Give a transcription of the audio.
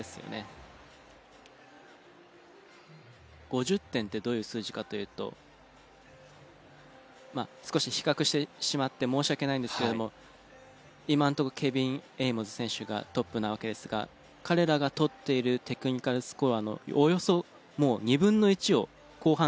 ５０点ってどういう数字かというとまあ少し比較してしまって申し訳ないんですけれども今のとこケビン・エイモズ選手がトップなわけですが彼らが取っているテクニカルスコアのおよそ２分の１を後半３本だけで持っていっているという。